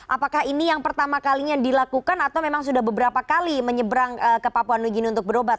apakah ini yang pertama kalinya dilakukan atau memang sudah beberapa kali menyeberang ke papua new guine untuk berobat